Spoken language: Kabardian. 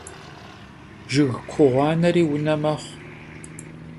Jjıg ku ğuaneri vune mexhu.